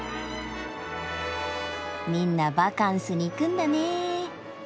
みんなバカンスに行くんだね！